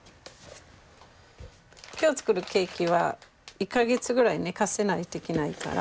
今日作るケーキは１か月ぐらい寝かせないといけないから。